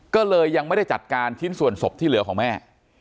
ก็เลยยังไม่ได้จัดการชิ้นส่วนศพที่เหลือของแม่